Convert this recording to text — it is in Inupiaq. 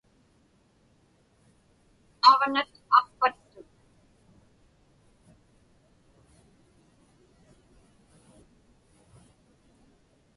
Aġnat aqpattut.